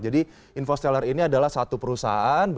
jadi infosteller ini adalah satu perusahaan